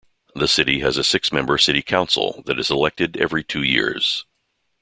The city has a six-member City Council that is elected every two years.